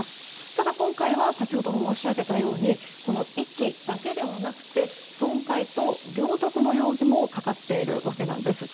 ただ、今回は先ほども申し上げたように遺棄だけではなくて損壊と領得の容疑もかかっているわけです。